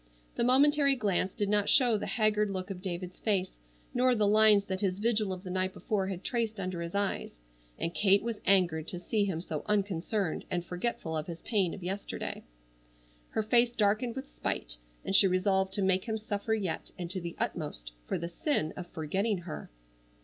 The momentary glance did not show the haggard look of David's face nor the lines that his vigil of the night before had traced under his eyes, and Kate was angered to see him so unconcerned and forgetful of his pain of yesterday. Her face darkened with spite, and she resolved to make him suffer yet, and to the utmost, for the sin of forgetting her.